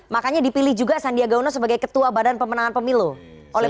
makanya dipilih juga sandiaga uno sebagai ketua badan pemenangan pemilu oleh p tiga